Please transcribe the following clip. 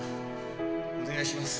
お願いします。